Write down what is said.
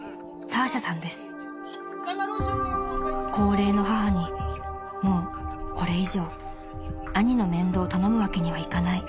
［高齢の母にもうこれ以上兄の面倒を頼むわけにはいかない］